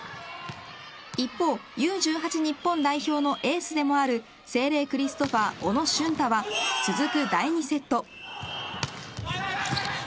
一方、Ｕ１８日本代表のエースでもある聖隷クリストファー小野駿太は続く第２セット。